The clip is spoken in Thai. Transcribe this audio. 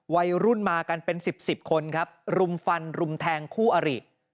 วัยรุ่นมากันเป็นสิบสิบคนครับรุมฟันรุมแทงคู่อริ